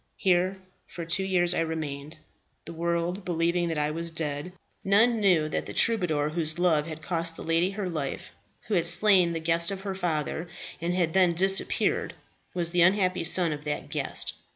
Here for two years I remained, the world believing that I was dead. None knew that the troubadour whose love had cost the lady her life, who had slain the guest of her father, and had then disappeared, was the unhappy son of that guest.